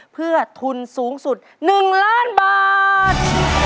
เพื่อทุนสูงสุด๑ล้านบาท